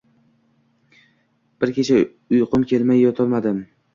Bir kecha uyqum kelmay yotolmadim.